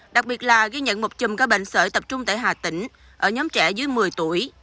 đặc biệt là ghi nhận một chùm ca bệnh sởi tập trung tại hà tỉnh ở nhóm trẻ dưới một mươi tuổi